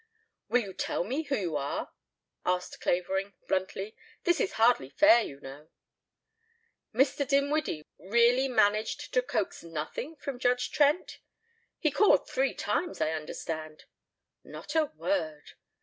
"Will you tell me who you are?" asked Clavering bluntly. "This is hardly fair, you know." "Mr. Dinwiddie really managed to coax nothing from Judge Trent? He called three times, I understand." "Not a word."